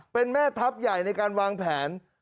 เป็นแม่ทัพใหญ่ในการวางแผน